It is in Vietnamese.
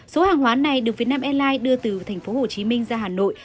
số hàng hóa này được việt nam airlines đưa từ tp hcm ra hà nội